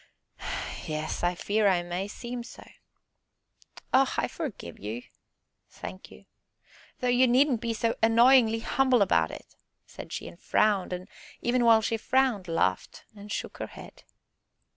"Yes, I fear I may seem so." "Oh, I forgive you!" "Thank you." "Though you needn't be so annoyingly humble about it," said she, and frowned, and, even while she frowned, laughed and shook her head.